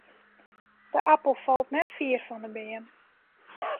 De apel falt net fier fan 'e beam.